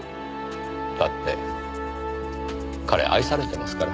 だって彼愛されてますから。